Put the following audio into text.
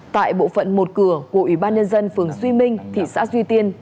tại bộ phận một cửa của ủy ban nhân dân phường duy minh thị xã duy tiên